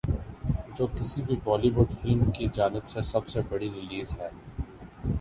جو کسی بھی بولی وڈ فلم کی جانب سے سب سے بڑی ریلیز ہے